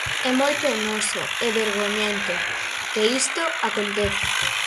É moi penoso e vergoñento que isto aconteza.